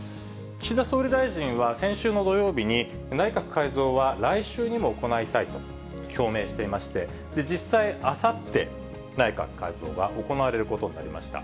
岸田総理大臣は、先週の土曜日に、内閣改造は来週にも行いたいと表明していまして、実際、あさって、内閣改造が行われることになりました。